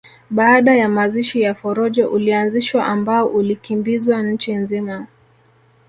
Baada ya mazishi ya Forojo ulianzishwa ambao ulikimbizwa nchi nzima